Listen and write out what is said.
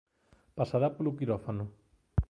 Pasará polo quirófano.